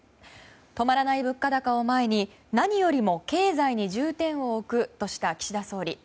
止まらない物価高を前に何よりも経済に重点を置くとした岸田総理。